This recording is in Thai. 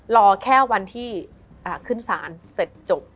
รอแค่วันที่ขึ้นศาลเสร็จจบ